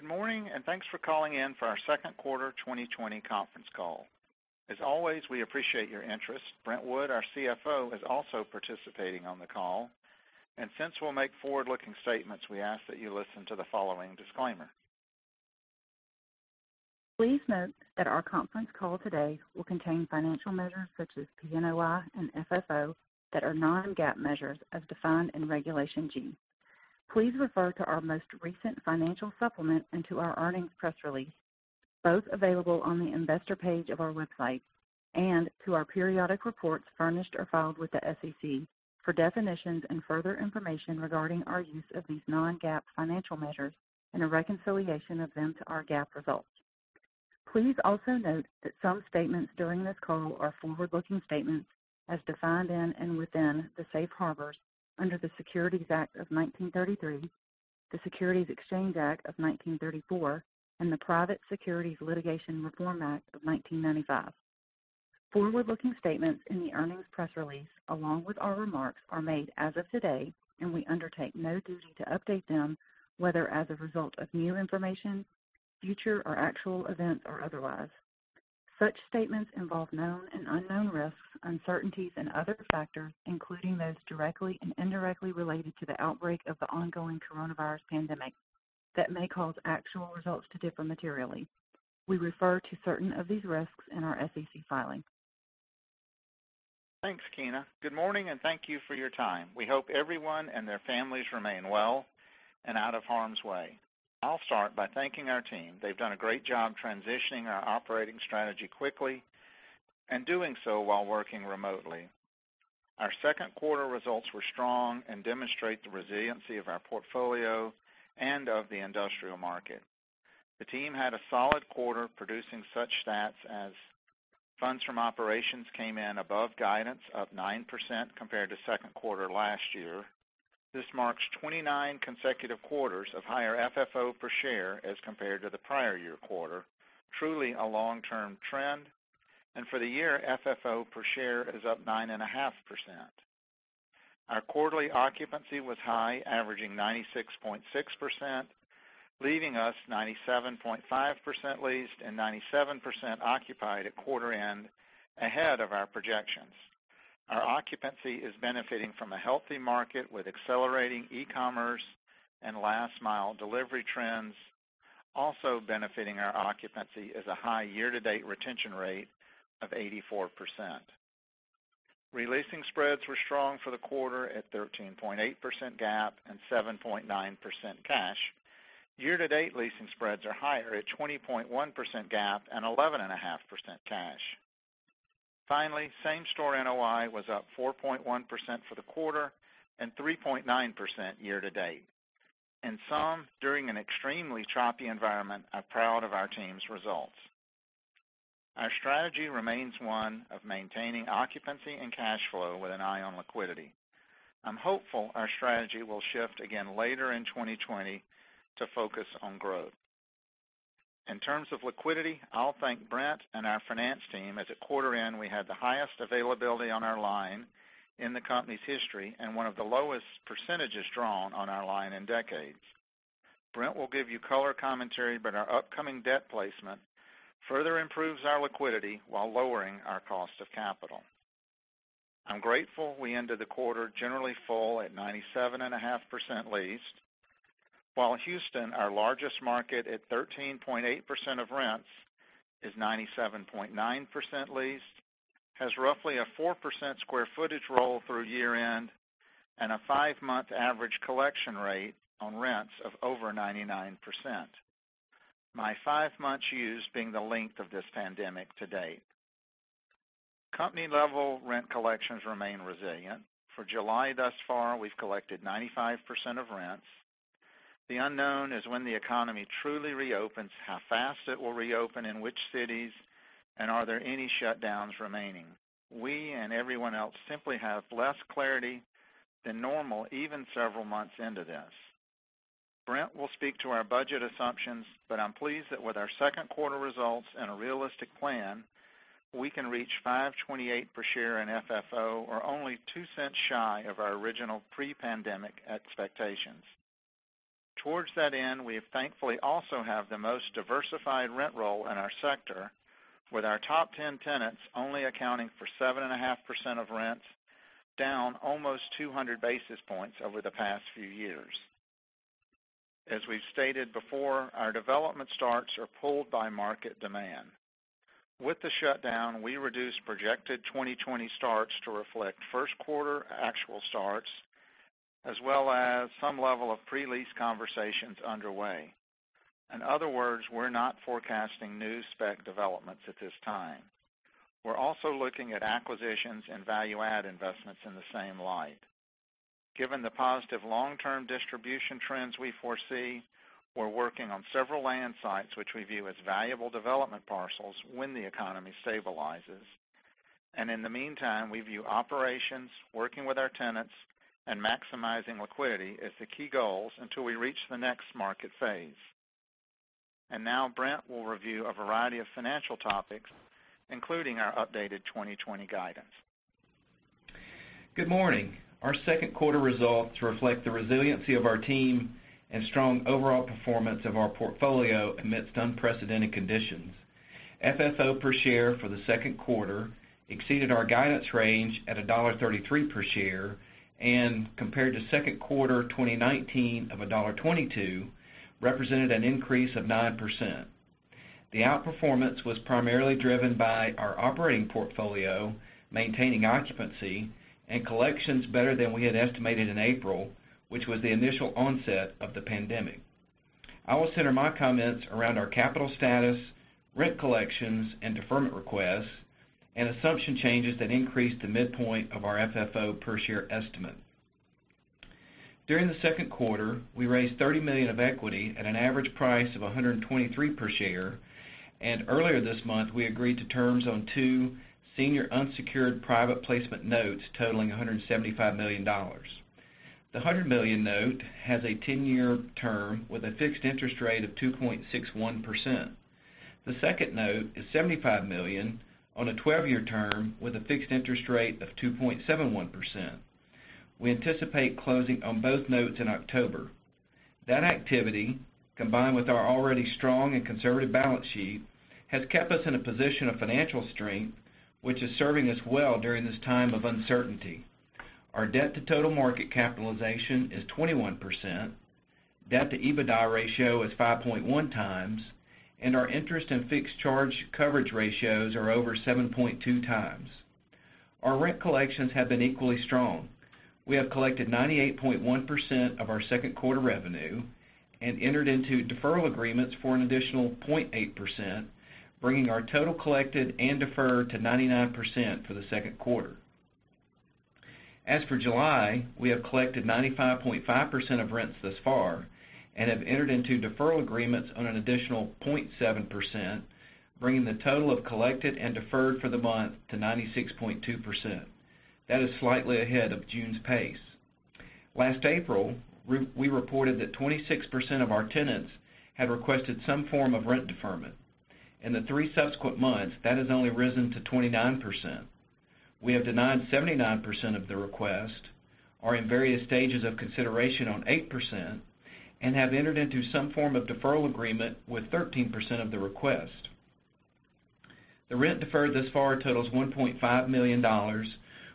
Good morning, thanks for calling in for our second quarter 2020 conference call. As always, we appreciate your interest. Brent Wood, our CFO, is also participating on the call. Since we'll make forward-looking statements, we ask that you listen to the following disclaimer. Please note that our conference call today will contain financial measures such as PNOI and FFO that are non-GAAP measures as defined in Regulation G. Please refer to our most recent financial supplement and to our earnings press release, both available on the investor page of our website, and to our periodic reports furnished or filed with the SEC for definitions and further information regarding our use of these non-GAAP financial measures and a reconciliation of them to our GAAP results. Please also note that some statements during this call are forward-looking statements as defined in and within the safe harbors under the Securities Act of 1933, the Securities Exchange Act of 1934, and the Private Securities Litigation Reform Act of 1995. Forward-looking statements in the earnings press release, along with our remarks, are made as of today, and we undertake no duty to update them, whether as a result of new information, future or actual events, or otherwise. Such statements involve known and unknown risks, uncertainties, and other factors, including those directly and indirectly related to the outbreak of the ongoing coronavirus pandemic that may cause actual results to differ materially. We refer to certain of these risks in our SEC filings. Thanks, Keena. Good morning, thank you for your time. We hope everyone and their families remain well and out of harm's way. I'll start by thanking our team. They've done a great job transitioning our operating strategy quickly and doing so while working remotely. Our second quarter results were strong and demonstrate the resiliency of our portfolio and of the industrial market. The team had a solid quarter producing such stats as funds from operations came in above guidance of 9% compared to second quarter last year. This marks 29 consecutive quarters of higher FFO per share as compared to the prior year quarter, truly a long-term trend. For the year, FFO per share is up 9.5%. Our quarterly occupancy was high, averaging 96.6%, leaving us 97.5% leased and 97% occupied at quarter end, ahead of our projections. Our occupancy is benefiting from a healthy market with accelerating e-commerce and last-mile delivery trends. Also benefiting our occupancy is a high year-to-date retention rate of 84%. Releasing spreads were strong for the quarter at 13.8% GAAP and 7.9% cash. Year-to-date leasing spreads are higher at 20.1% GAAP and 11.5% cash. Finally, same-store NOI was up 4.1% for the quarter and 3.9% year-to-date. In sum, during an extremely choppy environment, I'm proud of our team's results. Our strategy remains one of maintaining occupancy and cash flow with an eye on liquidity. I'm hopeful our strategy will shift again later in 2020 to focus on growth. In terms of liquidity, I'll thank Brent and our finance team, as at quarter end, we had the highest availability on our line in the company's history and one of the lowest percentages drawn on our line in decades. Brent will give you color commentary, our upcoming debt placement further improves our liquidity while lowering our cost of capital. I'm grateful we ended the quarter generally full at 97.5% leased. Houston, our largest market at 13.8% of rents, is 97.9% leased, has roughly a 4% square footage roll through year-end, and a five-month average collection rate on rents of over 99%. My five months used being the length of this pandemic to date. Company-level rent collections remain resilient. For July thus far, we've collected 95% of rents. The unknown is when the economy truly reopens, how fast it will reopen, in which cities, and are there any shutdowns remaining. We and everyone else simply have less clarity than normal, even several months into this. Brent will speak to our budget assumptions, but I'm pleased that with our second quarter results and a realistic plan, we can reach $5.28 per share in FFO or only $0.02 shy of our original pre-pandemic expectations. Towards that end, we thankfully also have the most diversified rent roll in our sector, with our top ten tenants only accounting for 7.5% of rents, down almost 200 basis points over the past few years. As we've stated before, our development starts are pulled by market demand. With the shutdown, we reduced projected 2020 starts to reflect first quarter actual starts, as well as some level of pre-lease conversations underway. In other words, we're not forecasting new spec developments at this time. We're also looking at acquisitions and value add investments in the same light. Given the positive long-term distribution trends we foresee, we're working on several land sites which we view as valuable development parcels when the economy stabilizes. In the meantime, we view operations, working with our tenants, and maximizing liquidity as the key goals until we reach the next market phase. Now Brent will review a variety of financial topics, including our updated 2020 guidance. Good morning. Our second quarter results reflect the resiliency of our team and strong overall performance of our portfolio amidst unprecedented conditions. FFO per share for the second quarter exceeded our guidance range at $1.33 per share, and compared to second quarter 2019 of $1.22, represented an increase of 9%. The outperformance was primarily driven by our operating portfolio maintaining occupancy and collections better than we had estimated in April, which was the initial onset of the pandemic. I will center my comments around our capital status, rent collections, and deferment requests, and assumption changes that increased the midpoint of our FFO per share estimate. During the second quarter, we raised $30 million of equity at an average price of $123 per share, and earlier this month, we agreed to terms on two senior unsecured private placement notes totaling $175 million. The $100 million note has a 10-year term with a fixed interest rate of 2.61%. The second note is $75 million on a 12-year term with a fixed interest rate of 2.71%. We anticipate closing on both notes in October. That activity, combined with our already strong and conservative balance sheet, has kept us in a position of financial strength, which is serving us well during this time of uncertainty. Our debt to total market capitalization is 21%, debt to EBITDA ratio is 5.1x, and our interest and fixed charge coverage ratios are over 7.2x. Our rent collections have been equally strong. We have collected 98.1% of our second quarter revenue and entered into deferral agreements for an additional 0.8%, bringing our total collected and deferred to 99% for the second quarter. As for July, we have collected 95.5% of rents thus far and have entered into deferral agreements on an additional 0.7%, bringing the total of collected and deferred for the month to 96.2%. That is slightly ahead of June's pace. Last April, we reported that 26% of our tenants had requested some form of rent deferment. In the three subsequent months, that has only risen to 29%. We have denied 79% of the requests, are in various stages of consideration on 8%, and have entered into some form of deferral agreement with 13% of the requests. The rent deferred thus far totals $1.5 million,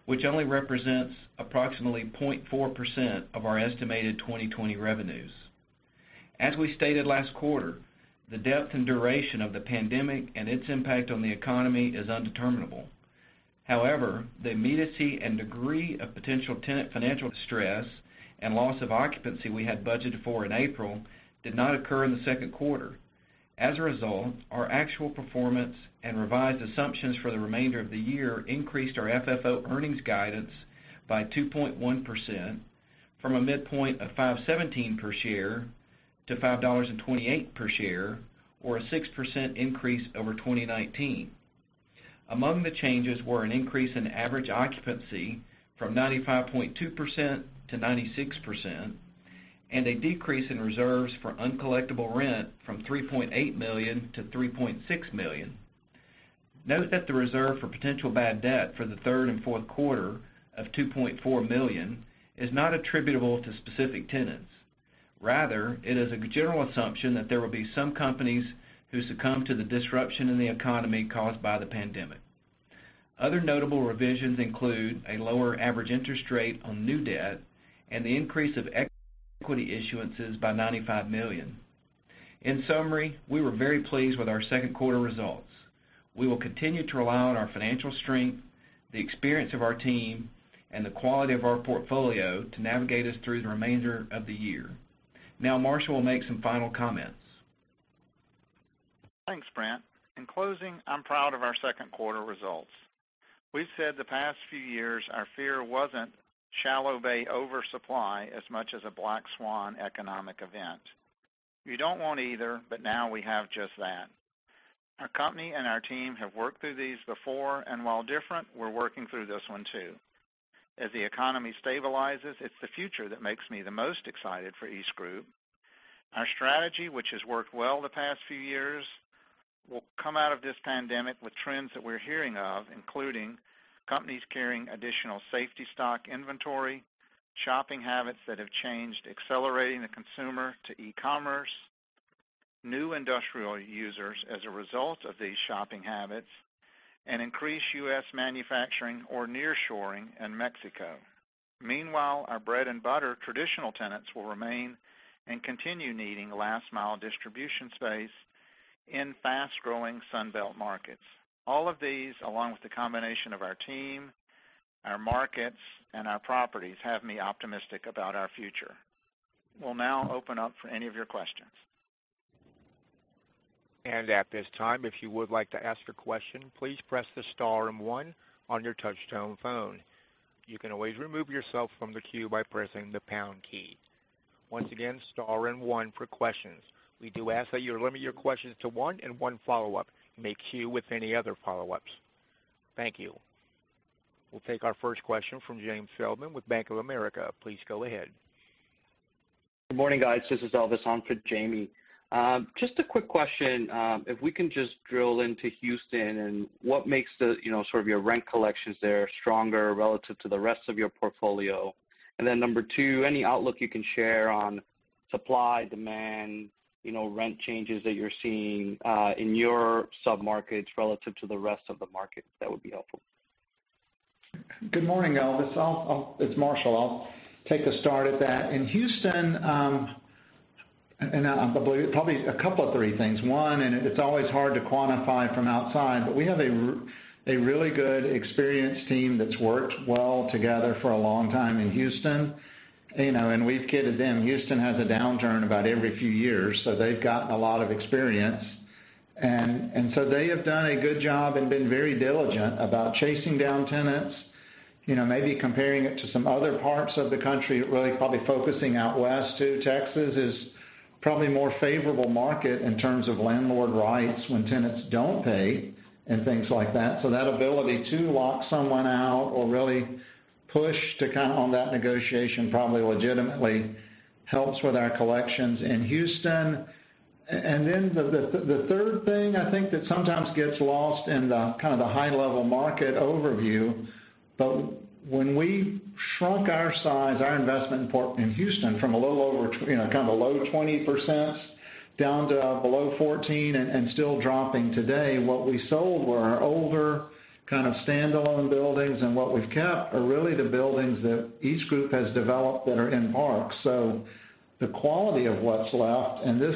which only represents approximately 0.4% of our estimated 2020 revenues. As we stated last quarter, the depth and duration of the pandemic and its impact on the economy is undeterminable. However, the immediacy and degree of potential tenant financial stress and loss of occupancy we had budgeted for in April did not occur in the second quarter. As a result, our actual performance and revised assumptions for the remainder of the year increased our FFO earnings guidance by 2.1%, from a midpoint of $5.17 per share to $5.28 per share, or a 6% increase over 2019. Among the changes were an increase in average occupancy from 95.2% to 96%, and a decrease in reserves for uncollectible rent from $3.8 million to $3.6 million. Note that the reserve for potential bad debt for the third and fourth quarter of $2.4 million is not attributable to specific tenants. Rather, it is a general assumption that there will be some companies who succumb to the disruption in the economy caused by the pandemic. Other notable revisions include a lower average interest rate on new debt and the increase of equity issuances by $95 million. In summary, we were very pleased with our second quarter results. We will continue to rely on our financial strength, the experience of our team, and the quality of our portfolio to navigate us through the remainder of the year. Now, Marshall will make some final comments. Thanks, Brent. In closing, I'm proud of our second quarter results. We've said the past few years our fear wasn't shallow bay oversupply as much as a black swan economic event. You don't want either, now we have just that. Our company and our team have worked through these before, while different, we're working through this one, too. As the economy stabilizes, it's the future that makes me the most excited for EastGroup. Our strategy, which has worked well the past few years, will come out of this pandemic with trends that we're hearing of, including companies carrying additional safety stock inventory, shopping habits that have changed, accelerating the consumer to e-commerce, new industrial users as a result of these shopping habits, and increased U.S. manufacturing or nearshoring in Mexico. Meanwhile, our bread-and-butter traditional tenants will remain and continue needing last-mile distribution space in fast-growing Sun Belt markets. All of these, along with the combination of our team, our markets, and our properties, have me optimistic about our future. We'll now open up for any of your questions. At this time, if you would like to ask a question, please press the star and one on your touchtone phone. You can always remove yourself from the queue by pressing the pound key. Once again, star and one for questions. We do ask that you limit your questions to one and one follow-up. May queue with any other follow-ups. Thank you. We'll take our first question from James Feldman with Bank of America. Please go ahead. Good morning, guys. This is Elvis, on for Jamie. Just a quick question. If we can just drill into Houston and what makes your rent collections there stronger relative to the rest of your portfolio? Then number two, any outlook you can share on supply, demand, rent changes that you're seeing, in your sub-markets relative to the rest of the market, that would be helpful. Good morning, Elvis. It's Marshall. I'll take a start at that. In Houston, probably a couple of three things. One, it's always hard to quantify from outside, but we have a really good, experienced team that's worked well together for a long time in Houston. We've kidded them, Houston has a downturn about every few years, so they've gotten a lot of experience. They have done a good job and been very diligent about chasing down tenants. Maybe comparing it to some other parts of the country, really probably focusing out west too, Texas is probably a more favorable market in terms of landlord rights when tenants don't pay and things like that. That ability to lock someone out or really push to kind of own that negotiation probably legitimately helps with our collections in Houston. The third thing, I think that sometimes gets lost in the kind of high-level market overview, but when we shrunk our size, our investment in Houston from a little over kind of the low 20% down to below 14% and still dropping today. What we sold were our older kind of standalone buildings, and what we've kept are really the buildings that EastGroup has developed that are in parks. The quality of what's left, and this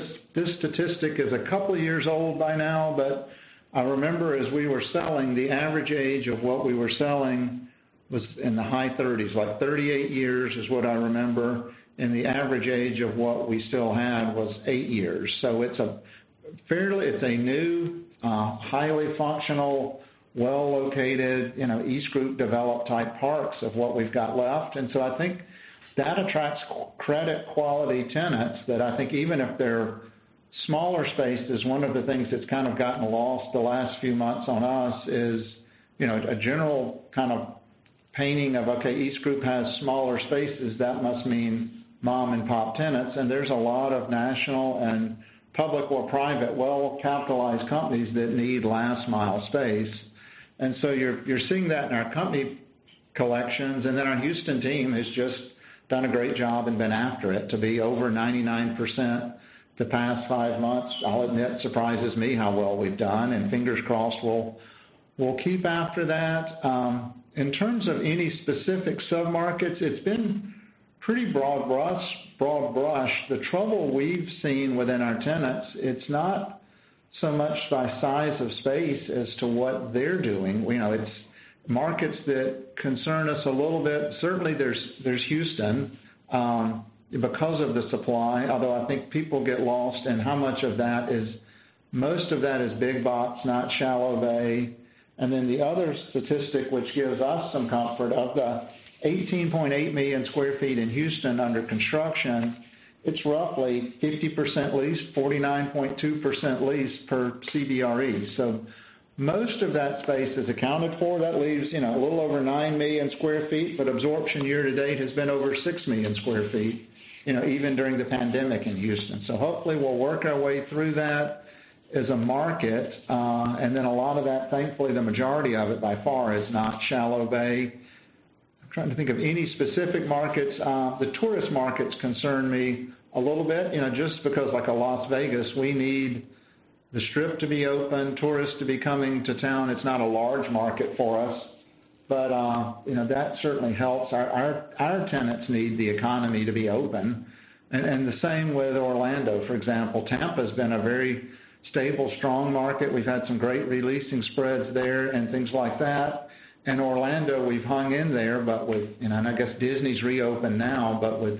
statistic is a couple of years old by now, but I remember as we were selling, the average age of what we were selling was in the high 30s, like 38 years is what I remember. The average age of what we still have was eight years. It's a new, highly functional, well-located, EastGroup develop type parks of what we've got left. I think that attracts credit quality tenants that I think even if they're smaller spaces, one of the things that's kind of gotten lost the last few months on us is a general kind of painting of, okay, EastGroup has smaller spaces, that must mean mom and pop tenants. There's a lot of national and public or private, well-capitalized companies that need last-mile space. You're seeing that in our company collections. Our Houston team has just done a great job and been after it to be over 99% the past five months. I'll admit, surprises me how well we've done, and fingers crossed, we'll keep after that. In terms of any specific sub-markets, it's been pretty broad brush. The trouble we've seen within our tenants, it's not so much by size of space as to what they're doing. It's markets that concern us a little bit. There's Houston, because of the supply. I think people get lost in how much of that is big box, not shallow bay. The other statistic, which gives us some comfort. Of the 18.8 million sq ft in Houston under construction, it's roughly 50% leased, 49.2% leased per CBRE. Most of that space is accounted for. That leaves a little over 9 million sq ft, absorption year-to-date has been over 6 million sq ft, even during the pandemic in Houston. Hopefully we'll work our way through that as a market. A lot of that, thankfully, the majority of it by far is not shallow bay. I'm trying to think of any specific markets. The tourist markets concern me a little bit. Just because like a Las Vegas, we need the Strip to be open, tourists to be coming to town. It's not a large market for us, but that certainly helps. Our tenants need the economy to be open. The same with Orlando, for example. Tampa's been a very stable, strong market. We've had some great re-leasing spreads there and things like that. Orlando, we've hung in there, and I guess Disney's reopened now, but with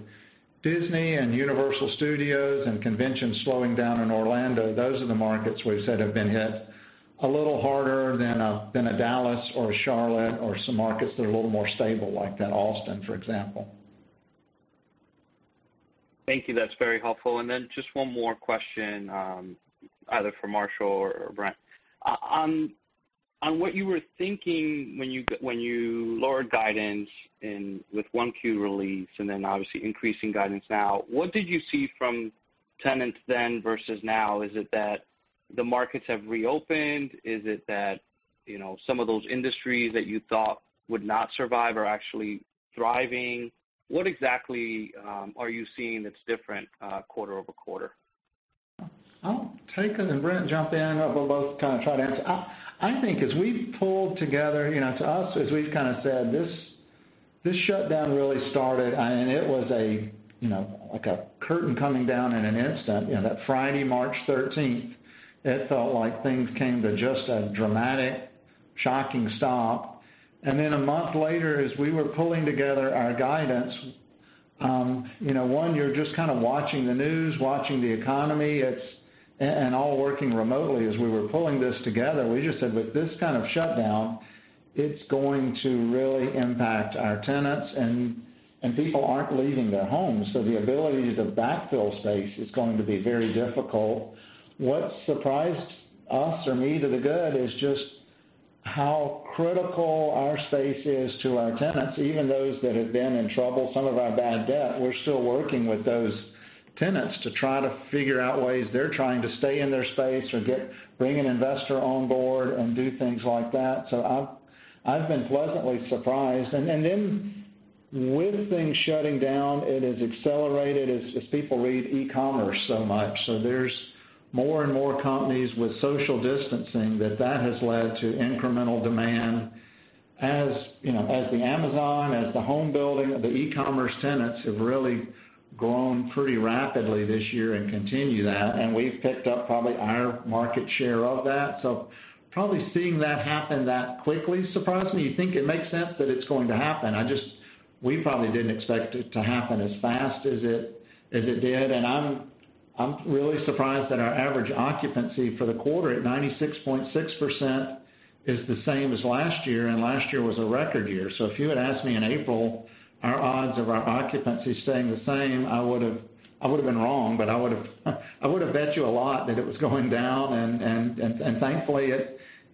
Disney and Universal Studios and conventions slowing down in Orlando, those are the markets we've said have been hit a little harder than a Dallas or a Charlotte or some markets that are a little more stable like that Austin, for example. Thank you. That's very helpful. Just one more question, either for Marshall or Brent. On what you were thinking when you lowered guidance with 1Q release and then obviously increasing guidance now. What did you see from tenants then versus now? Is it that the markets have reopened? Is it that some of those industries that you thought would not survive are actually thriving? What exactly are you seeing that's different quarter-over-quarter? I'll take it and Brent jump in, or we'll both kind of try to answer. I think as we've pulled together, to us, as we've kind of said, this shutdown really started, and it was like a curtain coming down in an instant. That Friday, March 13th, it felt like things came to just a dramatic, shocking stop. A month later, as we were pulling together our guidance, one, you're just kind of watching the news, watching the economy, and all working remotely as we were pulling this together. We just said with this kind of shutdown, it's going to really impact our tenants, and people aren't leaving their homes, so the ability to backfill space is going to be very difficult. What surprised us or me to the good is just how critical our space is to our tenants, even those that have been in trouble, some of our bad debt, we're still working with those tenants to try to figure out ways they're trying to stay in their space or bring an investor on board and do things like that. I've been pleasantly surprised. With things shutting down, it has accelerated as people read e-commerce so much. There's more and more companies with social distancing that has led to incremental demand. The Amazon, the home building, the e-commerce tenants have really grown pretty rapidly this year and continue that. We've picked up probably our market share of that. Probably seeing that happen that quickly surprised me. You think it makes sense that it's going to happen. We probably didn't expect it to happen as fast as it did. I'm really surprised that our average occupancy for the quarter at 96.6% is the same as last year, and last year was a record year. If you had asked me in April, our odds of our occupancy staying the same, I would've been wrong, but I would've bet you a lot that it was going down, and thankfully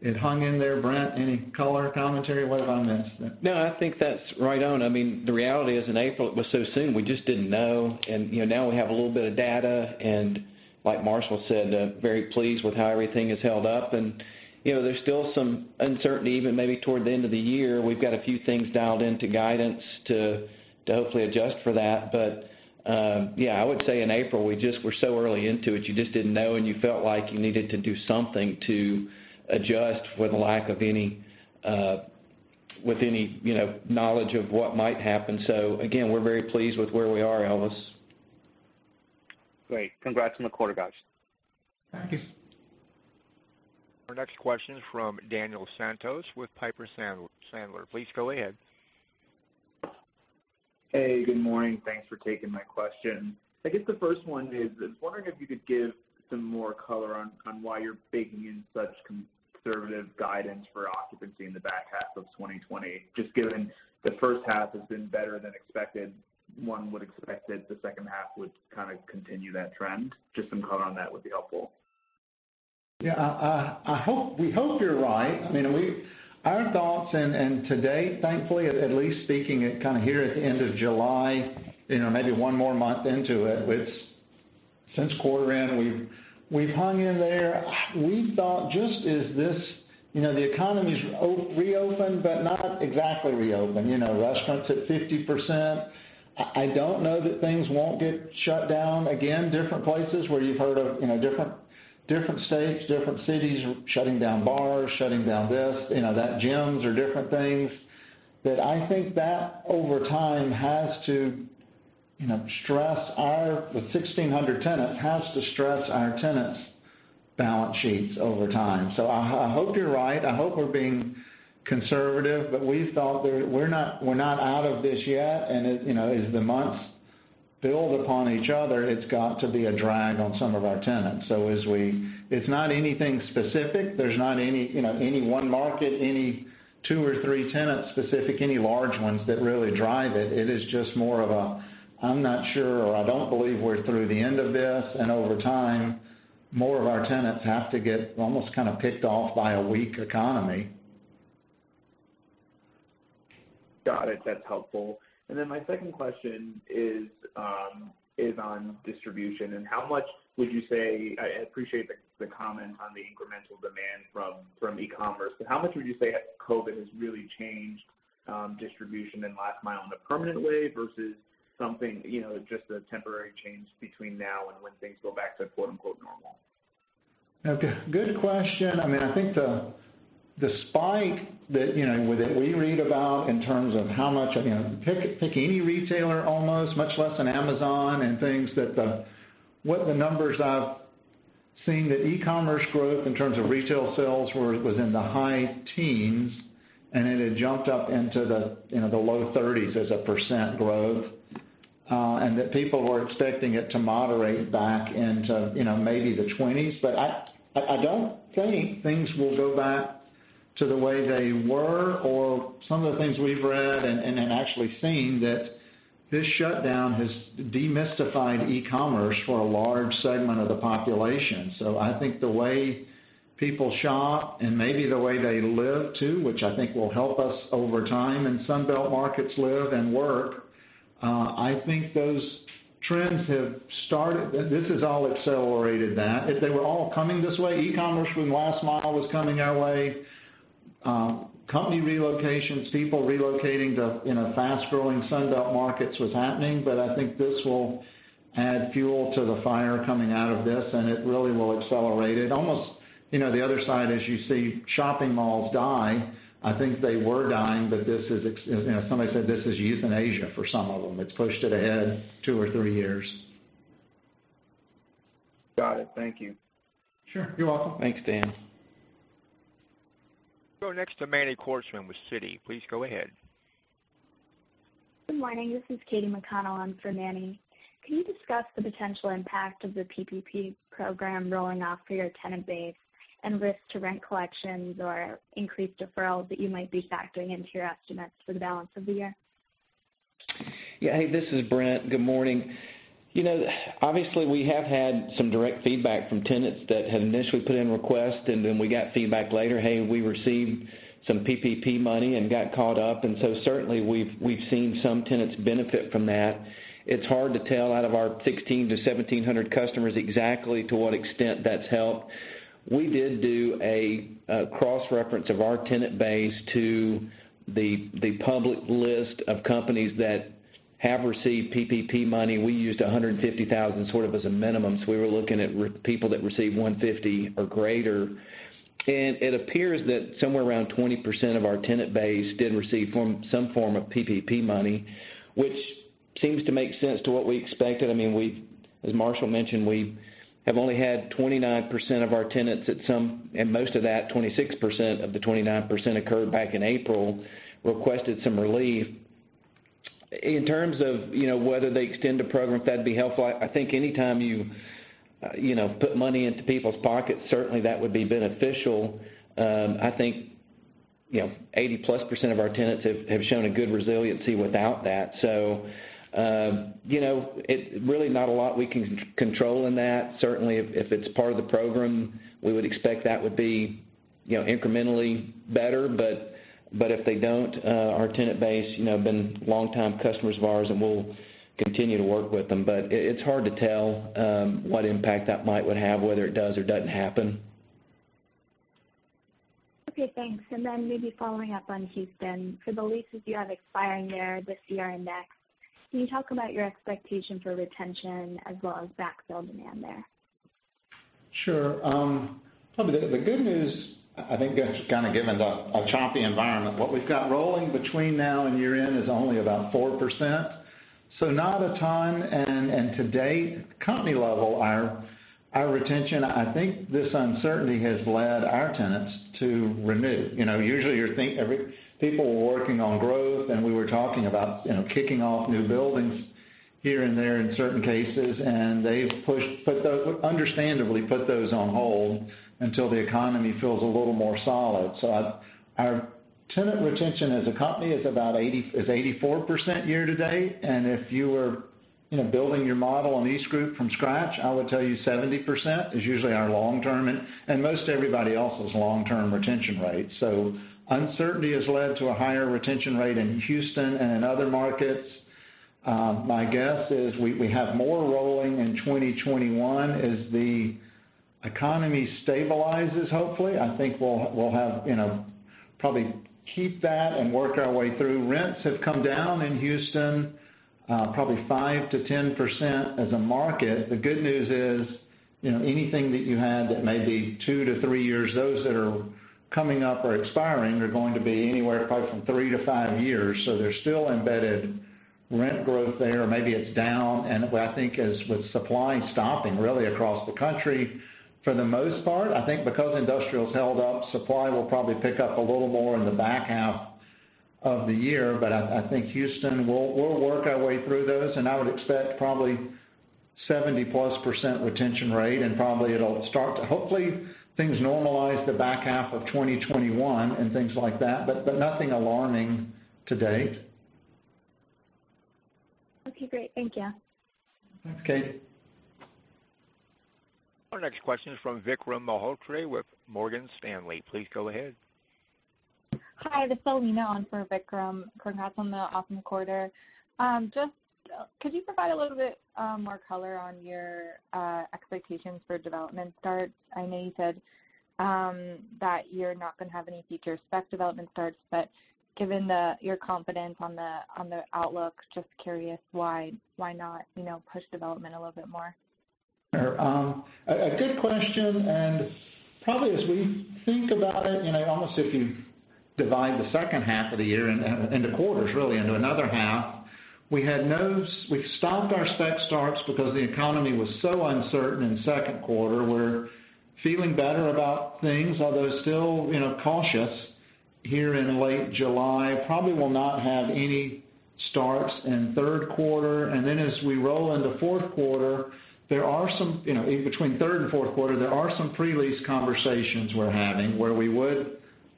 it hung in there. Brent, any color, commentary? What have I missed? No, I think that's right on. The reality is, in April, it was so soon, we just didn't know. Now we have a little bit of data, and like Marshall said, very pleased with how everything has held up. There's still some uncertainty, even maybe toward the end of the year. We've got a few things dialed into guidance to hopefully adjust for that. Yeah. I would say in April, we just were so early into it, you just didn't know, and you felt like you needed to do something to adjust with any knowledge of what might happen. Again, we're very pleased with where we are, Elvis. Great. Congrats on the quarter, guys. Thank you. Our next question is from Daniel Santos with Piper Sandler. Please go ahead. Hey, good morning. Thanks for taking my question. I guess the first one is, I was wondering if you could give some more color on why you're baking in such conservative guidance for occupancy in the back half of 2020, just given the first half has been better than expected, one would expect that the second half would kind of continue that trend. Just some color on that would be helpful. We hope you're right. Our thoughts, and today, thankfully, at least speaking kind of here at the end of July, maybe one more month into it, since quarter end, we've hung in there. The economy's reopened, but not exactly reopened. Restaurants at 50%. I don't know that things won't get shut down again, different places where you've heard of different states, different cities shutting down bars, shutting down this, that gyms or different things. That I think that over time has to stress our, with 1,600 tenants, has to stress our tenants' balance sheets over time. I hope you're right. I hope we're being conservative, but we thought that we're not out of this yet. As the months build upon each other, it's got to be a drag on some of our tenants. It's not anything specific. There's not any one market, any two or three tenants specific, any large ones that really drive it. It is just more of a, "I'm not sure," or, "I don't believe we're through the end of this." Over time, more of our tenants have to get almost kind of picked off by a weak economy. Got it. That's helpful. My second question is on distribution. I appreciate the comment on the incremental demand from e-commerce, how much would you say COVID has really changed distribution and last mile in a permanent way versus something, just a temporary change between now and when things go back to quote unquote "normal? Okay. Good question. I think the spike that we read about in terms of how much, pick any retailer almost, much less an Amazon and things that what the numbers I've seen, the e-commerce growth in terms of retail sales were within the high teens, and it had jumped up into the low 30s as a percent growth. That people were expecting it to moderate back into maybe the 20s. I don't think things will go back to the way they were, or some of the things we've read and actually seen that this shutdown has demystified e-commerce for a large segment of the population. I think the way people shop and maybe the way they live, too, which I think will help us over time in Sun Belt markets live and work. I think those trends have started. This has all accelerated that. They were all coming this way. E-commerce from last-mile was coming our way. Company relocations, people relocating to fast-growing Sun Belt markets was happening. I think this will add fuel to the fire coming out of this, and it really will accelerate it. Almost the other side, as you see shopping malls die, I think they were dying, but somebody said this is euthanasia for some of them. It's pushed it ahead two or three years. Got it. Thank you. Sure. You're welcome. Thanks, Dan. Go next to Manny Korchman with Citi. Please go ahead. Good morning. This is Katy McConnell. I'm for Manny. Can you discuss the potential impact of the PPP program rolling off for your tenant base and risk to rent collections or increased deferrals that you might be factoring into your estimates for the balance of the year? Yeah. Hey, this is Brent. Good morning. Obviously, we have had some direct feedback from tenants that have initially put in requests, then we got feedback later, "Hey, we received some PPP money and got caught up." Certainly, we've seen some tenants benefit from that. It's hard to tell out of our 16 to 1,700 customers exactly to what extent that's helped. We did do a cross-reference of our tenant base to the public list of companies that have received PPP money. We used 150,000 sort of as a minimum. We were looking at people that received 150 or greater. It appears that somewhere around 20% of our tenant base did receive some form of PPP money, which seems to make sense to what we expected. As Marshall mentioned, we have only had 29% of our tenants at some, and most of that, 26% of the 29%, occurred back in April, requested some relief. In terms of whether they extend the program, if that'd be helpful, I think anytime you put money into people's pockets, certainly that would be beneficial. I think, 80%+ of our tenants have shown a good resiliency without that. It's really not a lot we can control in that. Certainly, if it's part of the program, we would expect that would be incrementally better. If they don't, our tenant base been longtime customers of ours, and we'll continue to work with them. It's hard to tell what impact that might would have, whether it does or doesn't happen. Okay, thanks. Maybe following up on Houston. For the leases you have expiring there this year and next, can you talk about your expectation for retention as well as backfill demand there? Probably the good news, I think given the choppy environment, what we've got rolling between now and year-end is only about 4%. Not a ton. To date, company level, our retention, I think this uncertainty has led our tenants to renew. Usually, people were working on growth, and we were talking about kicking off new buildings here and there in certain cases, and they've understandably put those on hold until the economy feels a little more solid. Our tenant retention as a company is 84% year-to-date. If you were building your model on EastGroup from scratch, I would tell you 70% is usually our long-term, and most everybody else's long-term retention rate. Uncertainty has led to a higher retention rate in Houston and in other markets. My guess is we have more rolling in 2021. As the economy stabilizes, hopefully, I think we'll probably keep that and work our way through. Rents have come down in Houston, probably 5%-10% as a market. The good news is, anything that you had that may be two to three years, those that are coming up or expiring are going to be anywhere probably from three to five years. There's still embedded rent growth there. Maybe it's down. I think as with supply stopping really across the country, for the most part, I think because industrial's held up, supply will probably pick up a little more in the back half of the year. I think Houston, we'll work our way through those, and I would expect probably 70%+ retention rate, and probably it'll start to Hopefully, things normalize the back half of 2021 and things like that. Nothing alarming to date. Okay, great. Thank you. Thanks, Katy. Our next question is from Vikram Malhotra with Morgan Stanley. Please go ahead. Hi, this is Selina on for Vikram. Congrats on the awesome quarter. Just could you provide a little bit more color on your expectations for development starts? I know you said that you're not going to have any future spec development starts, but given your confidence on the outlook, just curious why not push development a little bit more? Sure. A good question, probably as we think about it, almost if you divide the second half of the year into quarters really, into another half, we've stopped our spec starts because the economy was so uncertain in second quarter. We're feeling better about things, although still cautious here in late July. Probably will not have any starts in third quarter. Then as we roll into fourth quarter, in between third and fourth quarter, there are some pre-lease conversations we're having where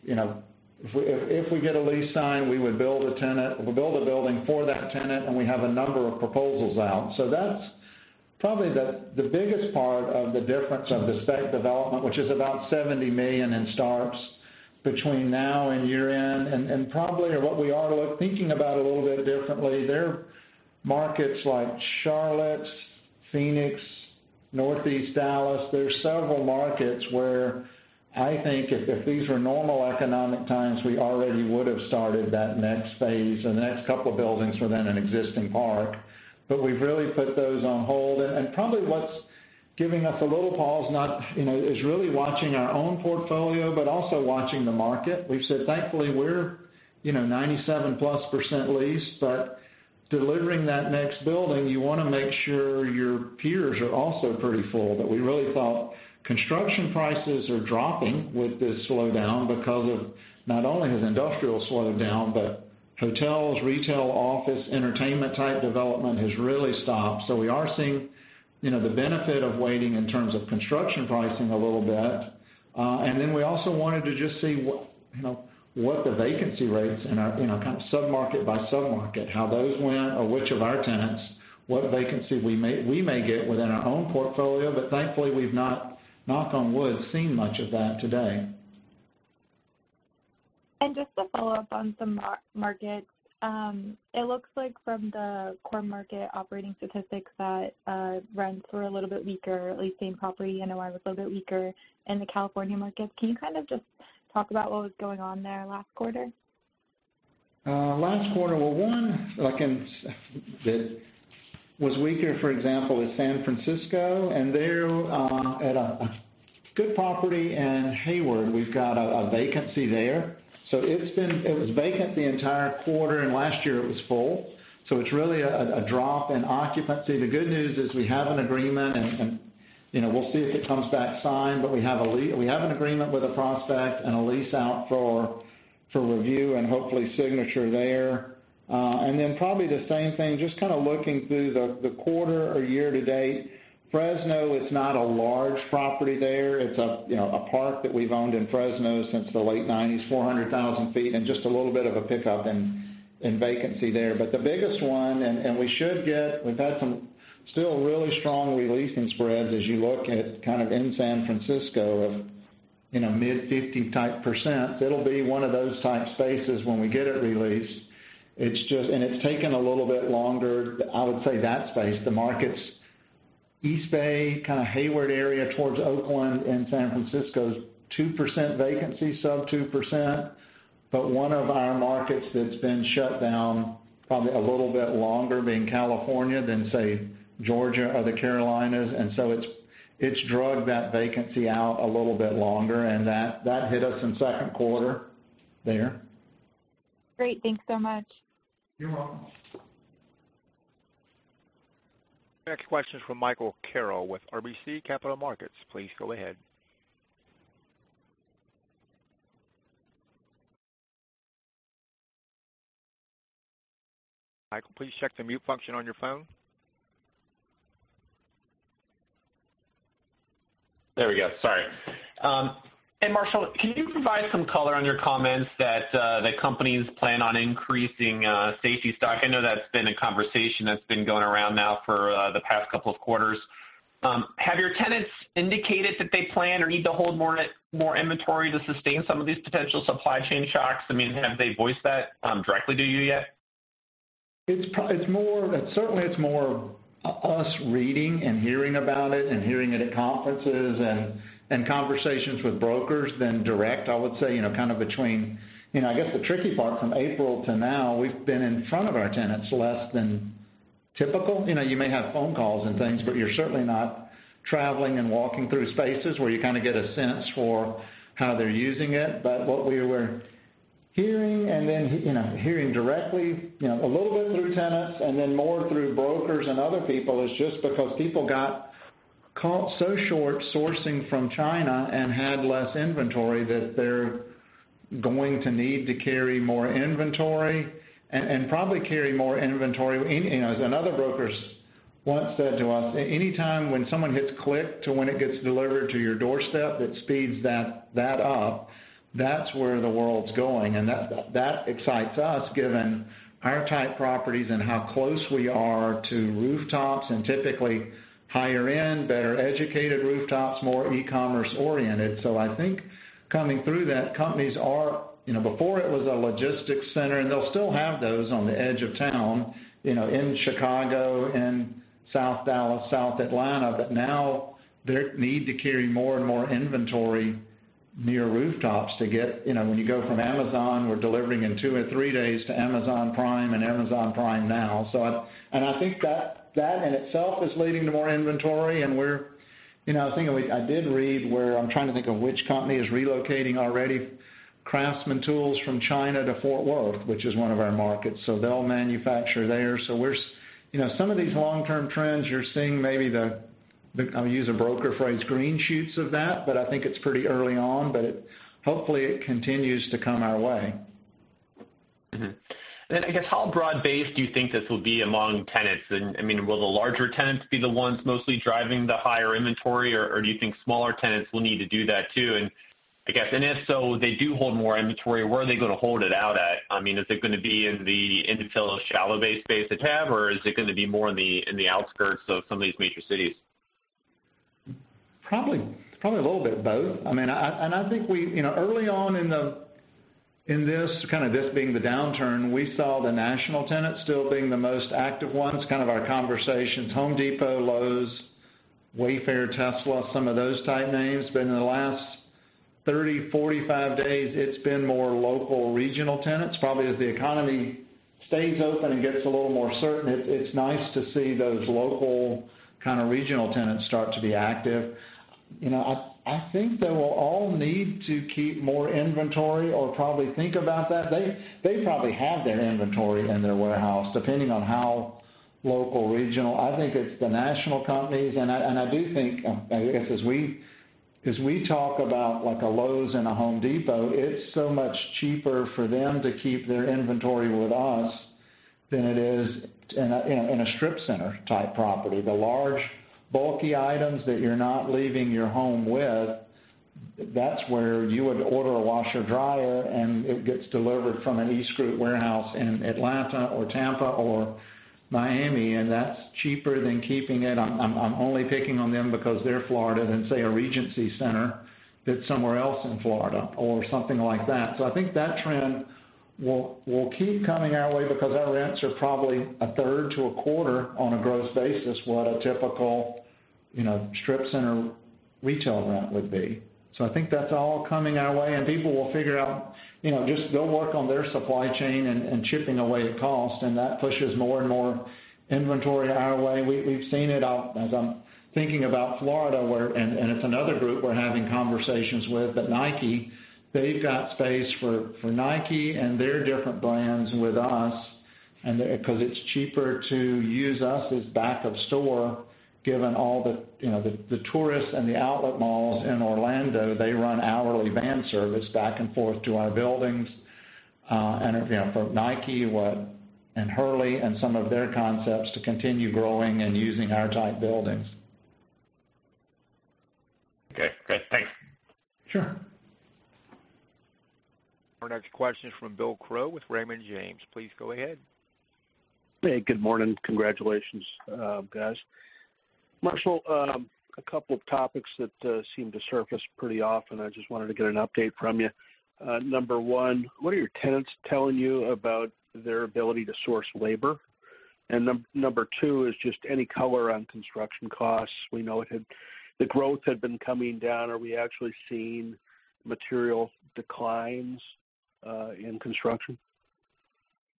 if we get a lease signed, we'll build a building for that tenant, and we have a number of proposals out. That's probably the biggest part of the difference of the spec development, which is about $70 million in starts between now and year-end. Probably what we are thinking about a little bit differently, they're markets like Charlotte, Phoenix, Northeast Dallas. There's several markets where I think if these were normal economic times, we already would've started that next phase. The next couple of buildings are then an existing park. We've really put those on hold. Probably what's giving us a little pause is really watching our own portfolio, but also watching the market. We've said, thankfully, we're 97%+ leased. Delivering that next building, you want to make sure your peers are also pretty full. We really thought construction prices are dropping with this slowdown because of not only has industrial slowed down, but hotels, retail, office, entertainment-type development has really stopped. We are seeing the benefit of waiting in terms of construction pricing a little bit. We also wanted to just see what the vacancy rates in our kind of sub-market by sub-market, how those went, or which of our tenants what vacancy we may get within our own portfolio. Thankfully, we've not, knock on wood, seen much of that today. Just to follow up on some markets. It looks like from the core market operating statistics that rents were a little bit weaker, at least same property NOI was a little bit weaker in the California market. Can you just talk about what was going on there last quarter? Last quarter, well, one that was weaker, for example, is San Francisco, and there, at a good property in Hayward, we've got a vacancy there. It was vacant the entire quarter, and last year it was full. The good news is we have an agreement, and we'll see if it comes back signed. We have an agreement with a prospect and a lease out for review and hopefully signature there. Probably the same thing, just kind of looking through the quarter or year to date. Fresno is not a large property there. It's a park that we've owned in Fresno since the late 1990s, 400,000 sq ft, and just a little bit of a pickup in vacancy there. The biggest one, and we've had some still really strong re-leasing spreads as you look at kind of in San Francisco of mid 50 type percent. It'll be one of those type spaces when we get it re-leased. It's taken a little bit longer, I would say that space. The markets East Bay, kind of Hayward area towards Oakland and San Francisco is 2% vacancy, sub 2%. One of our markets that's been shut down probably a little bit longer, being California than, say, Georgia or the Carolinas. It's drug that vacancy out a little bit longer, and that hit us in second quarter there. Great. Thanks so much. You're welcome. Next question is from Michael Carroll with RBC Capital Markets. Please go ahead. Michael, please check the mute function on your phone. There we go. Sorry. Marshall, can you provide some color on your comments that companies plan on increasing safety stock? I know that's been a conversation that's been going around now for the past couple of quarters. Have your tenants indicated that they plan or need to hold more inventory to sustain some of these potential supply chain shocks? Have they voiced that directly to you yet? Certainly it's more us reading and hearing about it and hearing it at conferences and conversations with brokers than direct, I would say. I guess the tricky part from April to now, we've been in front of our tenants less than typical. You may have phone calls and things, but you're certainly not traveling and walking through spaces where you kind of get a sense for how they're using it. What we're hearing directly, a little bit through tenants and then more through brokers and other people, is just because people got caught so short sourcing from China and had less inventory that they're going to need to carry more inventory. As another broker once said to us, "Any time when someone hits click to when it gets delivered to your doorstep, that speeds that up." That's where the world's going, and that excites us given our type properties and how close we are to rooftops, and typically higher end, better educated rooftops, more e-commerce oriented. I think coming through that, companies before it was a logistics center, they'll still have those on the edge of town, in Chicago and South Dallas, South Atlanta. Now they need to carry more and more inventory near rooftops when you go from Amazon, we're delivering in two or three days to Amazon Prime and Amazon Prime Now. I think that in itself is leading to more inventory and I was thinking, I did read where, I'm trying to think of which company is relocating already Craftsman tools from China to Fort Worth, which is one of our markets. They'll manufacture there. Some of these long-term trends, you're seeing maybe the, I'll use a broker phrase, green shoots of that, but I think it's pretty early on, but hopefully it continues to come our way. I guess, how broad-based do you think this will be among tenants? Will the larger tenants be the ones mostly driving the higher inventory, or do you think smaller tenants will need to do that, too? I guess if so, they do hold more inventory, where are they going to hold it out at? Is it going to be in the infill or shallow bay space that you have, or is it going to be more in the outskirts of some of these major cities? Probably a little bit of both. I think early on in this, kind of this being the downturn, we saw the national tenants still being the most active ones, kind of our conversations. Home Depot, Lowe's, Wayfair, Tesla, some of those type names. In the last 30, 45 days, it's been more local regional tenants. Probably as the economy stays open and gets a little more certain, it's nice to see those local kind of regional tenants start to be active. I think they will all need to keep more inventory or probably think about that. They probably have that inventory in their warehouse, depending on how local, regional. I think it's the national companies. I do think, I guess as we talk about a Lowe's and a Home Depot, it's so much cheaper for them to keep their inventory with us than it is in a strip center type property. The large, bulky items that you're not leaving your home with. That's where you would order a washer-dryer, and it gets delivered from an EastGroup warehouse in Atlanta or Tampa or Miami, and that's cheaper than keeping it. I'm only picking on them because they're Florida, than, say, a Regency Centers that's somewhere else in Florida or something like that. I think that trend will keep coming our way because our rents are probably a third to a quarter, on a gross basis, what a typical strip center retail rent would be. I think that's all coming our way, and people will figure out, just go work on their supply chain and chipping away at cost, and that pushes more and more inventory our way. We've seen it, as I'm thinking about Florida, where it's another group we're having conversations with, Nike, they've got space for Nike and their different brands with us because it's cheaper to use us as backup store given all the tourists and the outlet malls in Orlando. They run hourly van service back and forth to our buildings. For Nike and Hurley and some of their concepts to continue growing and using our type buildings. Okay, great. Thanks. Sure. Our next question is from Bill Crow with Raymond James. Please go ahead. Hey, good morning. Congratulations, guys. Marshall, a couple of topics that seem to surface pretty often. I just wanted to get an update from you. Number one, what are your tenants telling you about their ability to source labor? Number two is just any color on construction costs. We know the growth had been coming down. Are we actually seeing material declines in construction?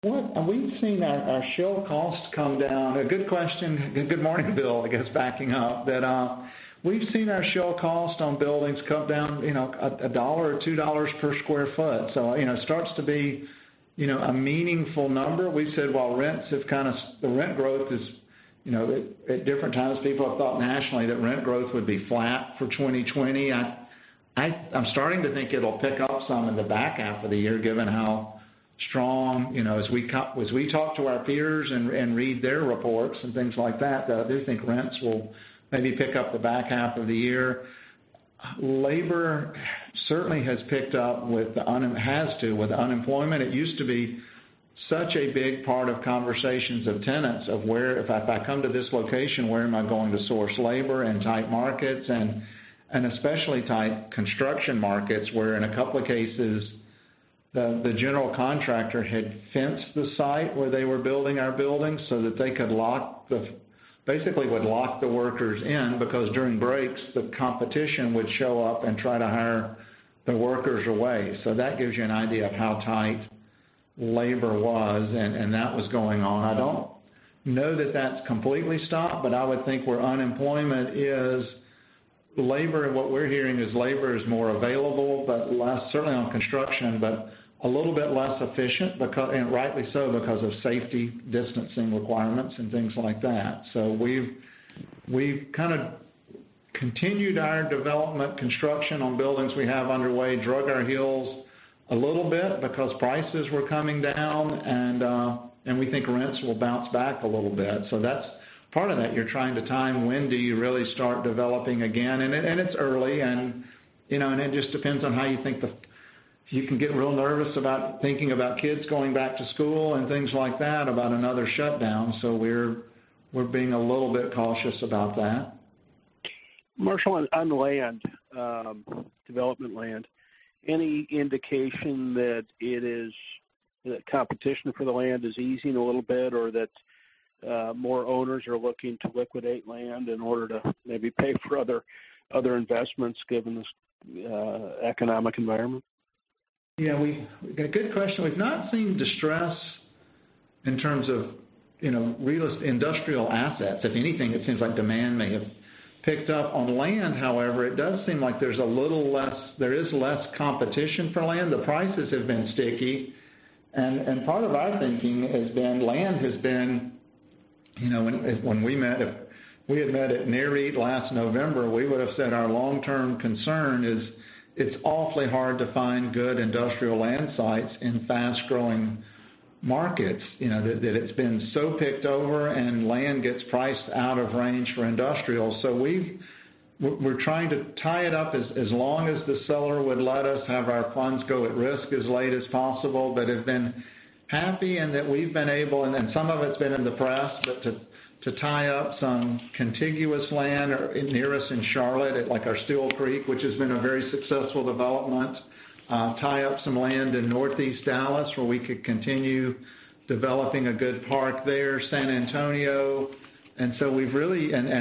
Well, we've seen our shell costs come down. A good question. Good morning, Bill, I guess, backing up. We've seen our shell cost on buildings come down $1 or $2 per square foot. It starts to be a meaningful number. At different times, people have thought nationally that rent growth would be flat for 2020. I'm starting to think it'll pick up some in the back half of the year, given how strong, as we talk to our peers and read their reports and things like that I do think rents will maybe pick up the back half of the year. Labor certainly has picked up. It has to. With unemployment, it used to be such a big part of conversations of tenants of where, "If I come to this location, where am I going to source labor?" Tight markets, and especially tight construction markets, where in a couple of cases, the general contractor had fenced the site where they were building our buildings so that they basically would lock the workers in, because during breaks, the competition would show up and try to hire the workers away. That gives you an idea of how tight labor was, and that was going on. I don't know that that's completely stopped, but I would think where unemployment is, labor, and what we're hearing is labor is more available, certainly on construction, but a little bit less efficient, and rightly so, because of safety distancing requirements and things like that. We've kind of continued our development construction on buildings we have underway, drug our heels a little bit because prices were coming down, and we think rents will bounce back a little bit. Part of that, you're trying to time when do you really start developing again. It's early, and it just depends on how you think. You can get real nervous about thinking about kids going back to school and things like that about another shutdown. We're being a little bit cautious about that. Marshall, on land, development land, any indication that competition for the land is easing a little bit, or that more owners are looking to liquidate land in order to maybe pay for other investments given this economic environment? Yeah. A good question. We've not seen distress in terms of industrial assets. If anything, it seems like demand may have picked up. On land, however, it does seem like there is less competition for land. The prices have been sticky. And part of our thinking has been If we had met at NAREIT last November, we would've said our long-term concern is it's awfully hard to find good industrial land sites in fast-growing markets, that it's been so picked over and land gets priced out of range for industrial. We're trying to tie it up as long as the seller would let us have our funds go at risk as late as possible. Have been happy and that we've been able, and some of it's been in the press, but to tie up some contiguous land near us in Charlotte at our Steele Creek, which has been a very successful development. Tie up some land in Northeast Dallas where we could continue developing a good park there. San Antonio.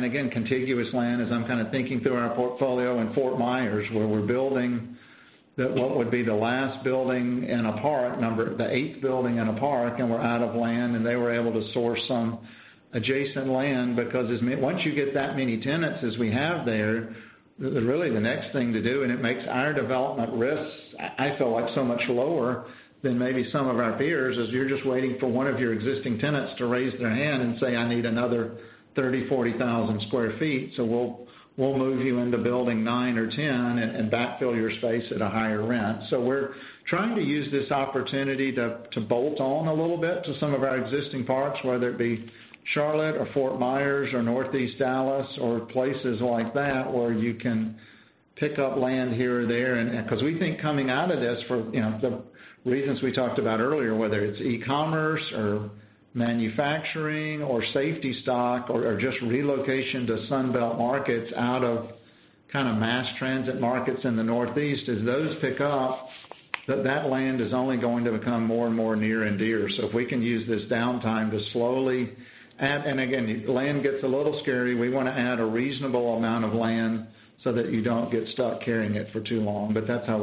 Again, contiguous land, as I'm kind of thinking through our portfolio in Fort Myers, where we're building what would be the last building in a park, the eighth building in a park. We're out of land. They were able to source some adjacent land because once you get that many tenants as we have there, really the next thing to do, and it makes our development risks, I feel like, so much lower than maybe some of our peers, is you're just waiting for one of your existing tenants to raise their hand and say, 'I need another 30,000, 40,000 sq ft. We'll move you into building nine or 10 and backfill your space at a higher rent. We're trying to use this opportunity to bolt on a little bit to some of our existing parks, whether it be Charlotte or Fort Myers or Northeast Dallas or places like that where you can pick up land here or there. Because we think coming out of this for the reasons we talked about earlier, whether it's e-commerce or manufacturing or safety stock or just relocation to Sunbelt markets out of kind of mass transit markets in the Northeast, as those pick up, that land is only going to become more and more near and dear. If we can use this downtime to slowly add, and again, land gets a little scary. We want to add a reasonable amount of land so that you don't get stuck carrying it for too long. That's how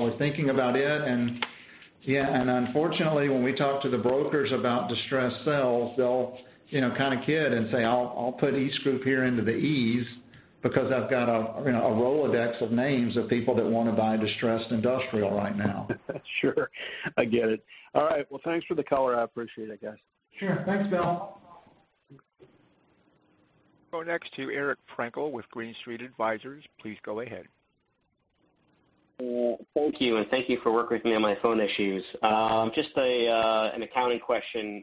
we're thinking about it. Unfortunately, when we talk to the brokers about distressed sales, they'll kind of kid and say, "I'll put EastGroup here into the Es because I've got a Rolodex of names of people that want to buy distressed industrial right now. Sure, I get it. All right. Well, thanks for the color. I appreciate it, guys. Sure. Thanks, Bill. Go next to Eric Frankel with Green Street Advisors. Please go ahead. Thank you, and thank you for working with me on my phone issues. Just an accounting question.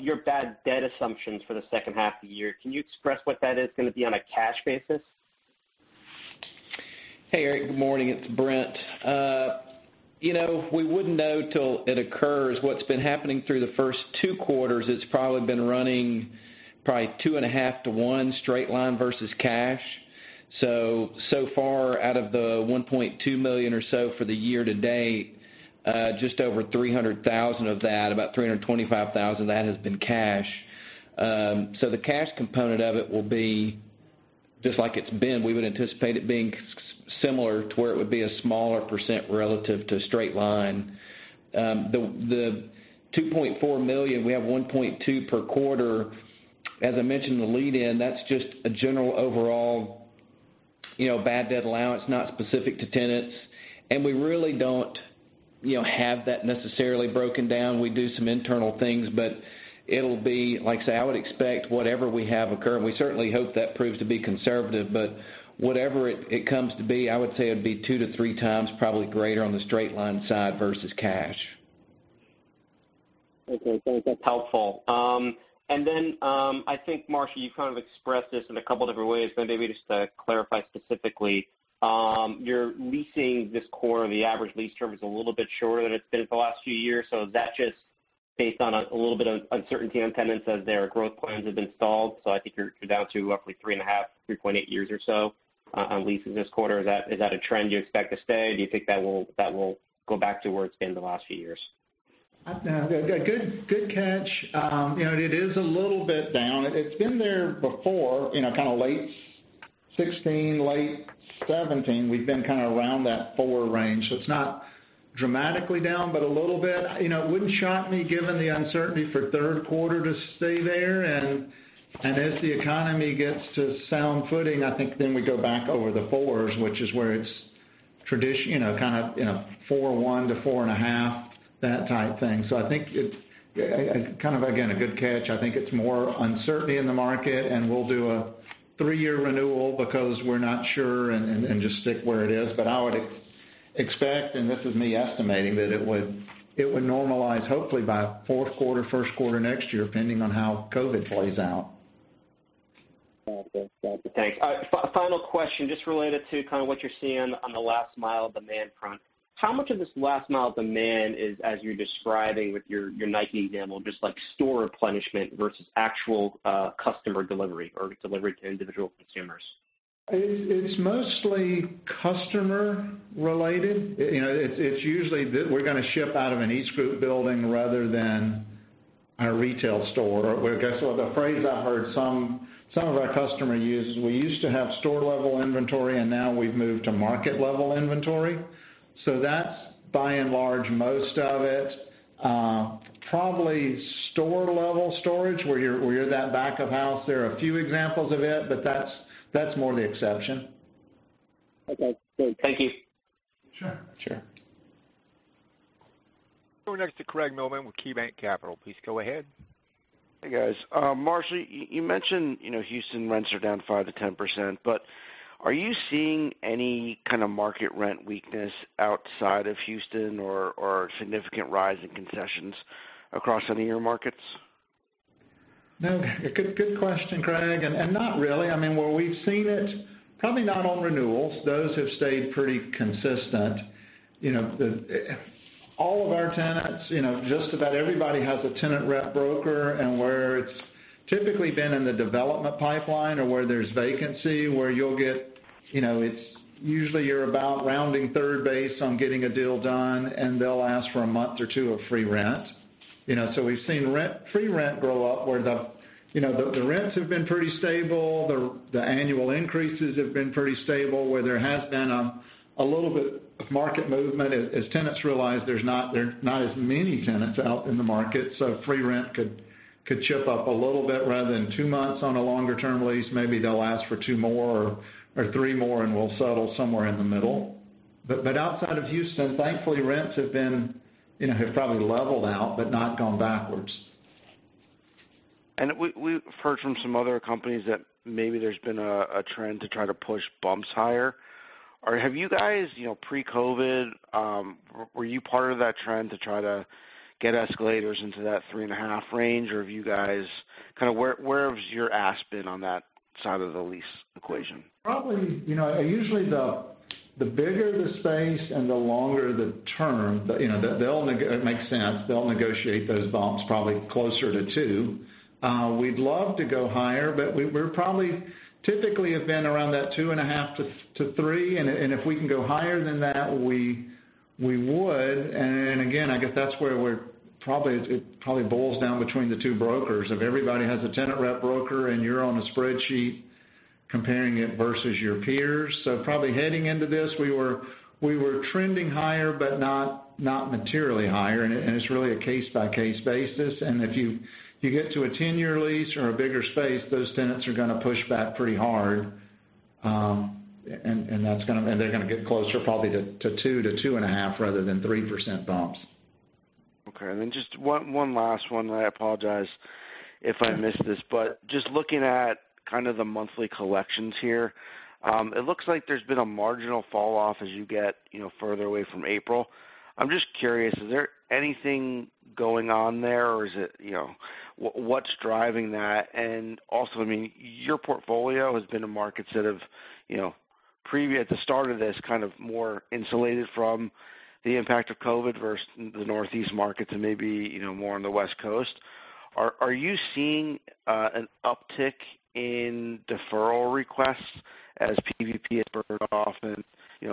Your bad debt assumptions for the second half of the year, can you express what that is going to be on a cash basis? Hey, Eric. Good morning. It's Brent. We wouldn't know till it occurs. So far out of the $1.2 million or so for the year to date, just over $300,000 of that, about $325,000, that has been cash. The cash component of it will be just like it's been. We would anticipate it being similar to where it would be a smaller % relative to straight line. The $2.4 million, we have $1.2 per quarter. As I mentioned, the lead in, that's just a general overall bad debt allowance, not specific to tenants. We really don't have that necessarily broken down. We do some internal things, it'll be, like I say, I would expect whatever we have occurred. We certainly hope that proves to be conservative. Whatever it comes to be, I would say it'd be two to three times probably greater on the straight line side versus cash. Okay. Thanks. That's helpful. I think, Marshall, you kind of expressed this in a couple different ways, but maybe just to clarify specifically, you're leasing this quarter, the average lease term is a little bit shorter than it's been for the last few years. Is that just based on a little bit of uncertainty on tenants as their growth plans have been stalled? I think you're down to roughly 3.5, 3.8 years or so on leases this quarter. Is that a trend you expect to stay? Do you think that will go back to where it's been the last few years? Good catch. It is a little bit down. It's been there before, kind of late 2016, late 2017. We've been kind of around that four range. It's not dramatically down, but a little bit. It wouldn't shock me given the uncertainty for third quarter to stay there. As the economy gets to sound footing, I think then we go back over the fours, which is where it's kind of 4.1 to 4.5, that type thing. I think it's kind of, again, a good catch. I think it's more uncertainty in the market, and we'll do a three-year renewal because we're not sure and just stick where it is. I would expect, and this is me estimating, that it would normalize hopefully by fourth quarter, first quarter next year, depending on how COVID plays out. Got it. Thanks. Final question, just related to kind of what you're seeing on the last-mile demand front. How much of this last-mile demand is as you're describing with your Nike example, just like store replenishment versus actual customer delivery or delivery to individual consumers? It's mostly customer related. It's usually we're going to ship out of an EastGroup building rather than a retail store. I guess the phrase I heard some of our customer use is, "We used to have store level inventory, and now we've moved to market level inventory." That's by and large, most of it. Probably store level storage where you're that back of house. There are a few examples of it, but that's more the exception. Okay. Thank you. Sure. Going next to Craig Mailman with KeyBanc Capital Markets. Please go ahead. Hey, guys. Marshall, you mentioned Houston rents are down 5%-10%. Are you seeing any kind of market rent weakness outside of Houston or significant rise in concessions across any of your markets? No. Good question, Craig. Not really. Where we've seen it, probably not on renewals. Those have stayed pretty consistent. All of our tenants, just about everybody has a tenant rep broker and where it's typically been in the development pipeline or where there's vacancy, it's usually about rounding third base on getting a deal done, and they'll ask for a month or two of free rent. We've seen free rent grow up where the rents have been pretty stable. The annual increases have been pretty stable, where there has been a little bit of market movement as tenants realize there's not as many tenants out in the market. Free rent could chip up a little bit rather than two months on a longer-term lease. Maybe they'll ask for two more or three more, and we'll settle somewhere in the middle. Outside of Houston, thankfully, rents have probably leveled out but not gone backwards. We've heard from some other companies that maybe there's been a trend to try to push bumps higher. Have you guys, pre-COVID, were you part of that trend to try to get escalators into that 3.5% range or have you guys kind of Where has your ask been on that side of the lease equation? Usually the bigger the space and the longer the term, it makes sense, they'll negotiate those bumps probably closer to 2%. We'd love to go higher, we probably typically have been around that 2.5%-3%, if we can go higher than that, we would. Again, I guess that's where it probably boils down between the two brokers. If everybody has a tenant rep broker and you're on a spreadsheet comparing it versus your peers. Probably heading into this, we were trending higher, not materially higher, it's really a case-by-case basis, if you get to a 10-year lease or a bigger space, those tenants are going to push back pretty hard. They're going to get closer probably to 2%-2.5% rather than 3% bumps. Okay. Then just one last one. I apologize if I missed this, but just looking at kind of the monthly collections here. It looks like there's been a marginal falloff as you get further away from April. I'm just curious, is there anything going on there or what's driving that? Also, your portfolio has been a market set of, at the start of this, kind of more insulated from the impact of COVID versus the Northeast markets and maybe more on the West Coast. Are you seeing an uptick in deferral requests as PPP has burned off and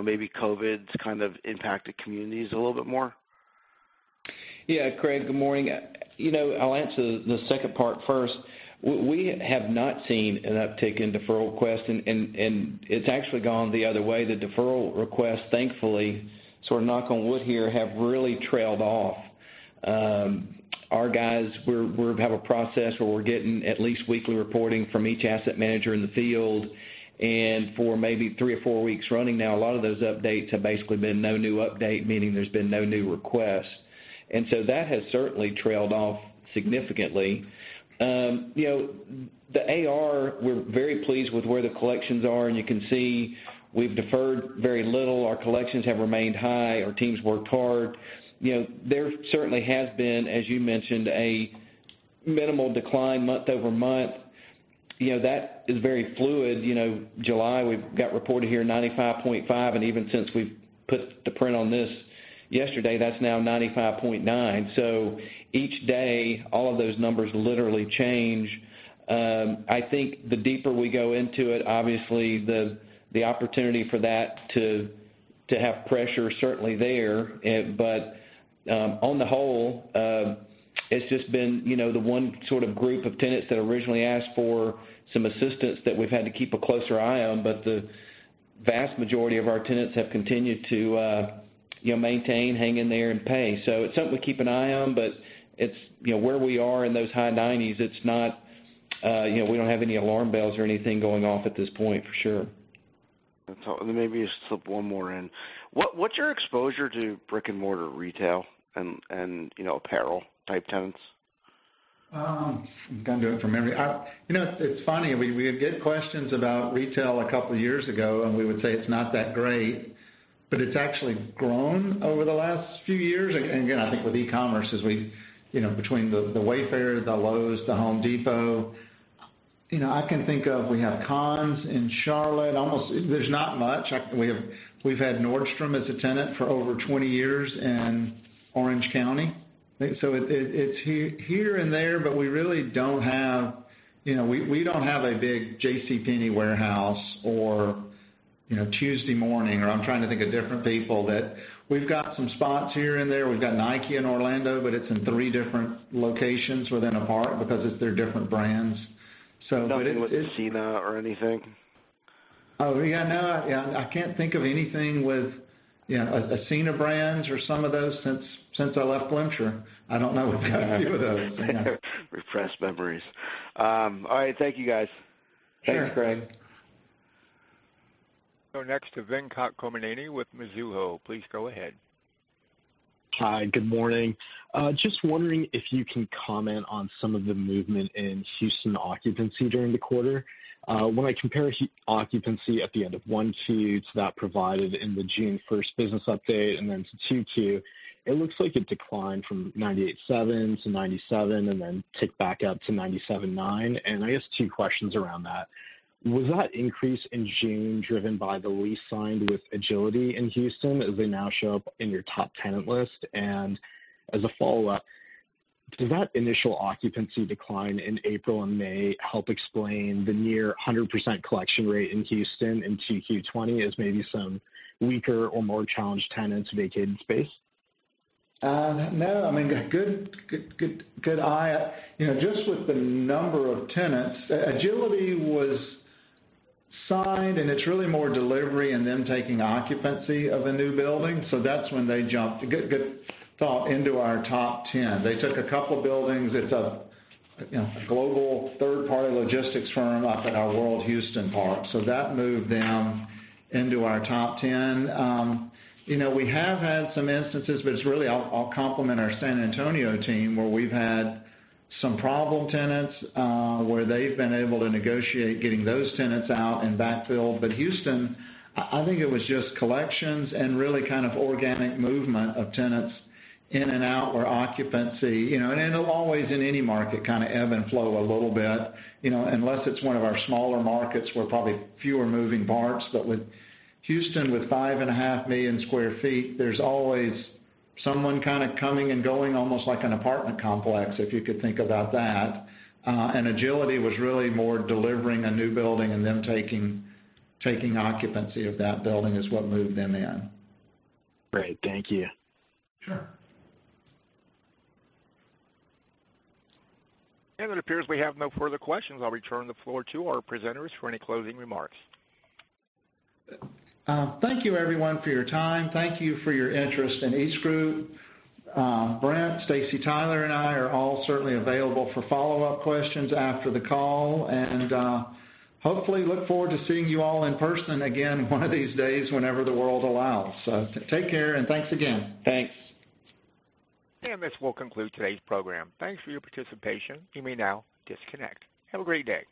maybe COVID's kind of impacted communities a little bit more? Yeah, Craig, good morning. I'll answer the second part first. We have not seen an uptick in deferral requests. It's actually gone the other way. The deferral requests, thankfully, sort of knock on wood here, have really trailed off. Our guys, we have a process where we're getting at least weekly reporting from each asset manager in the field. For maybe three or four weeks running now, a lot of those updates have basically been no new update, meaning there's been no new requests. That has certainly trailed off significantly. The AR, we're very pleased with where the collections are. You can see we've deferred very little. Our collections have remained high. Our team's worked hard. There certainly has been, as you mentioned, a minimal decline month-over-month. That is very fluid. July, we've got reported here 95.5%, and even since we've put the print on this yesterday, that's now 95.9%. Each day, all of those numbers literally change. I think the deeper we go into it, obviously, the opportunity for that to have pressure is certainly there. On the whole, it's just been the one sort of group of tenants that originally asked for some assistance that we've had to keep a closer eye on. The vast majority of our tenants have continued to maintain, hang in there, and pay. It's something to keep an eye on, but where we are in those high 90s, we don't have any alarm bells or anything going off at this point, for sure. Maybe just slip one more in. What's your exposure to brick-and-mortar retail and apparel-type tenants? I'm trying to do it from memory. It's funny, we would get questions about retail a couple of years ago, we would say it's not that great, it's actually grown over the last few years. Again, I think with e-commerce, between the Wayfair, the Lowe's, the Home Depot. I can think of, we have Conn's in Charlotte. There's not much. We've had Nordstrom as a tenant for over 20 years in Orange County. It's here and there, we don't have a big JCPenney warehouse or Tuesday Morning, I'm trying to think of different people that we've got some spots here and there. We've got Nike in Orlando, it's in three different locations within a park because they're different brands. Nothing with Ascena or anything? Oh, yeah. No, I can't think of anything with Ascena brands or some of those since I left Blanchard. I don't know a few of those. Repressed memories. All right, thank you, guys. Sure. Thanks, Craig. Go next to Venkat Kommineni with Mizuho. Please go ahead. Hi, good morning. Just wondering if you can comment on some of the movement in Houston occupancy during the quarter. When I compare occupancy at the end of 1Q to that provided in the June 1st business update, and then to 2Q, it looks like it declined from 98.7 to 97 and then ticked back up to 97.9, and I guess two questions around that. Was that increase in June driven by the lease signed with Agility in Houston as they now show up in your top tenant list? As a follow-up, does that initial occupancy decline in April and May help explain the near 100% collection rate in Houston in Q2 2020 as maybe some weaker or more challenged tenants vacated space? No. Good eye. Just with the number of tenants, Agility was signed, and it's really more delivery and them taking occupancy of a new building, so that's when they jumped, good thought, into our top 10. They took a couple of buildings. It's a global third-party logistics firm up at our World Houston Park. That moved them into our top 10. We have had some instances, but it's really, I'll compliment our San Antonio team, where we've had some problem tenants, where they've been able to negotiate getting those tenants out and backfill. Houston, I think it was just collections and really kind of organic movement of tenants in and out or occupancy. It'll always, in any market, kind of ebb and flow a little bit. Unless it's one of our smaller markets where probably fewer moving parts. With Houston, with 5.5 million sq ft, there's always someone kind of coming and going, almost like an apartment complex, if you could think about that. Agility was really more delivering a new building and them taking occupancy of that building is what moved them in. Great. Thank you. Sure. It appears we have no further questions. I'll return the floor to our presenters for any closing remarks. Thank you everyone for your time. Thank you for your interest in EastGroup. Brent, Staci, Tyler, and I are all certainly available for follow-up questions after the call. Hopefully look forward to seeing you all in person again one of these days, whenever the world allows. Take care, and thanks again. Thanks. This will conclude today's program. Thanks for your participation. You may now disconnect. Have a great day.